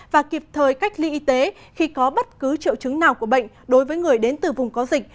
và kịp thời cách ly y tế khi có bất cứ triệu chứng nào của bệnh đối với người đến từ vùng có dịch